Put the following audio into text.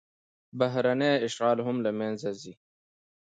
بهرنی اشغال هم له منځه ځي.